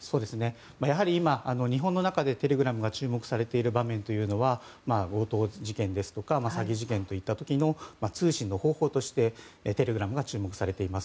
やはり、今日本の中でテレグラムが注目されている場面というのは強盗事件ですとか詐欺事件といった時の通信の方法としてテレグラムが注目されています。